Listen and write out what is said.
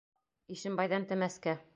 Ишембайҙан — Темәскә